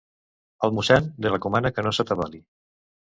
El mossèn li recomana que no s'atabali?